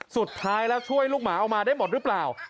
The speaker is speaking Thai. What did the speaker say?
สุดท้ายแล้วช่วยลูกหมาเอามาได้หมดหรือเปล่า